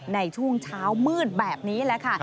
ในช่วงเช้ามืดแบบนี้แหละค่ะ